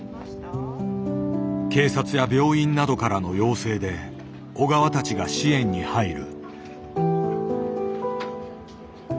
警察や病院などからの要請で小川たちが支援に入る。